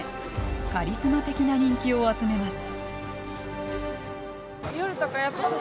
カリスマ的な人気を集めます。